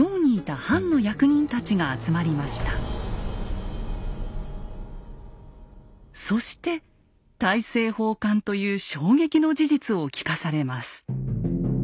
そのためそして大政奉還という衝撃の事実を聞かされます。